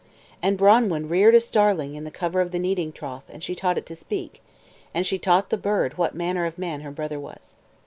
And Branwen reared a starling in the cover of the kneading trough, and she taught it to speak, and she taught the bird what manner of man her brother was.